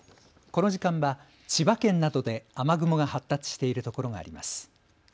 この時間は千葉県などで雨雲が発達しているところがあります。